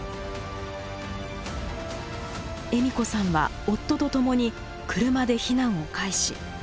栄美子さんは夫と共に車で避難を開始。